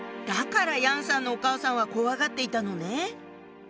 だから楊さんのお母さんは怖がっていたのね！